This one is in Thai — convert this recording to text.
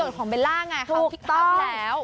วันเกิดของเบลล่าไงเขาคิดทำแล้ว